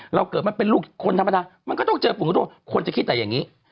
เราเกิดมาเป็นลูกคนธรรมดามันก็ต้องเจอปลูกคนจะคิดแต่อย่างนี้